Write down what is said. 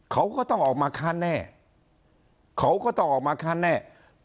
เขาก็ต้องออกมาค้านแน่เขาก็ต้องออกมาค้านแน่